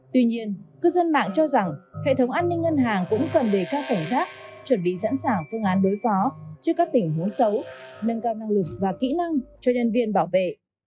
tuy nhiên cư dân mạng cho rằng hệ thống an ninh ngân hàng cũng cần đề cao cảnh giác chuẩn bị sẵn sàng phương án đối phó trước các tình huống xấu nâng cao năng lực và kỹ năng cho nhân viên bảo vệ